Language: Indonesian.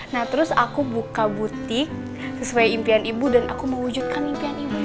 nah terus aku buka butik sesuai impian ibu dan aku mewujudkan impian ibu